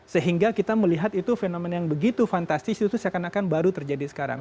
sehingga kita melihat itu fenomena yang begitu fantastis itu seakan akan baru terjadi sekarang